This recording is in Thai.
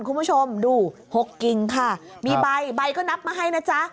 คุณผู้ชมดูหกกิ่งค่ะมีใบใบก็นับมาให้นะจ๊ะ